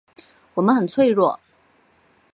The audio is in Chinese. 我们很脆弱